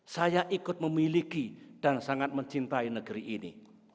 saya ikut memiliki dan sangat mencintai negeri ini